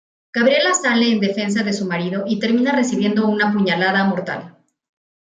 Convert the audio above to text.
Gabriela sale en defensa de su marido y termina recibiendo una puñalada mortal.